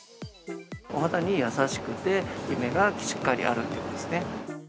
お肌に優しくて、効き目がしっかりあるということですね。